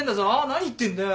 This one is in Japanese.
何言ってんだよ。